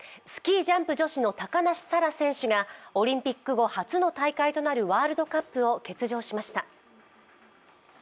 スキージャンプ女子の高梨沙羅選手がオリンピック後初の大会となるワールドカップを欠場しました。